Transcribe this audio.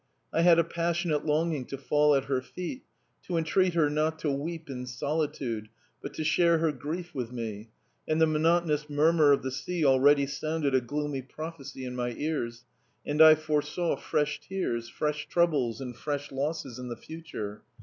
I had a passionate longing to fall at her feet, to entreat her not to weep in solitude, but to share her grief with me, and the monotonous murmur of the sea already sounded a gloomy prophecy in my ears, and I foresaw fresh tears, fresh troubles, and fresh losses in the future.